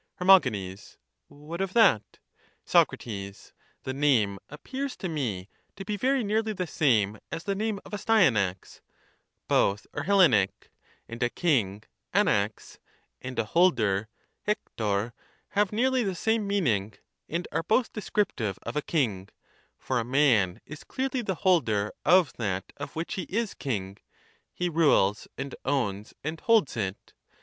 Her. What of that ? Soc. The name appears to me to be very nearly the same as the name of Astyanax — both are Hellenic; and a king (ava^) and a holder (eKTCjp) have nearly the same meaning, and are both descriptive of a king ; for a man is clearly the holder of that of which he is king ; he rules, and owns, and holds it.